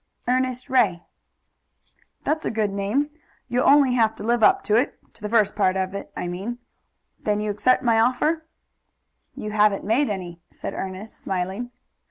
"Ernest Ray." "That's a good name. You'll only have to live up to it to the first part of it, I mean. Then you accept my offer?" "You haven't made any," said Ernest, smiling.